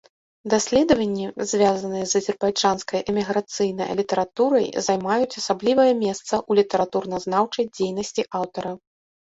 Даследаванні, звязаныя з азербайджанскай эміграцыйнай літаратурай, займаюць асаблівае месца ў літаратуразнаўчай дзейнасці аўтара.